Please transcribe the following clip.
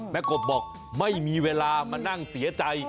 กบบอกไม่มีเวลามานั่งเสียใจ